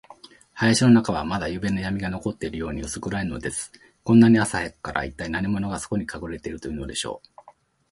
林の中は、まだゆうべのやみが残っているように、うす暗いのです。こんなに朝早くから、いったい何者が、そこにかくれているというのでしょう。